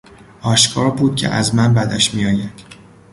آشکار بود که از من بدش میآید.